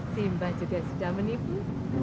simba juga sudah menipu